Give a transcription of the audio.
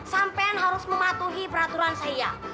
sampean harus mematuhi peraturan saya